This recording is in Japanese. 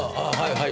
はい！